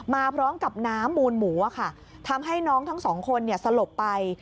มาพร้อมกับน้ำมูลหมูค่ะทำให้น้องทั้งสองคนสลบไป